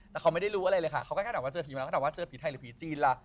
แต่เขาไม่ได้รู้อะไรเลยค่ะเขาก็แค่แบบว่าเจอผีมาแล้วก็ถามว่าเจอผีไทยหรือผีจีนล่ะ